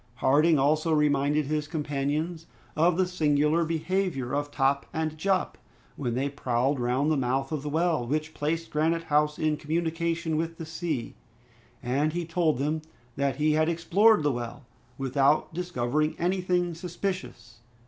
Harding also reminded his companions of the singular behavior of Top and Jup when they prowled round the mouth of the well, which placed Granite House in communication with the sea, and he told them that he had explored the well, without discovering anything suspicious.